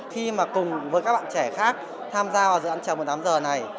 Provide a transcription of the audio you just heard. khi mà cùng với các bạn trẻ khác tham gia vào dự án trèo bốn mươi tám h này